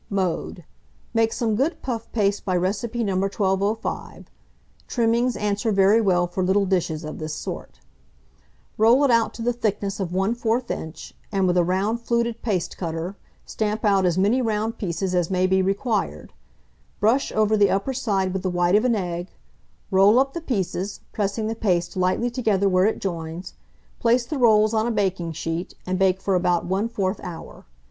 Mode. Make some good puff paste by recipe No. 1205 (trimmings answer very well for little dishes of this sort); roll it out to the thickness of 1/4 inch, and, with a round fluted paste cutter, stamp out as many round pieces as may be required; brush over the upper side with the white of an egg; roll up the pieces, pressing the paste lightly together where it joins; place the rolls on a baking sheet, and bake for about 1/4 hour.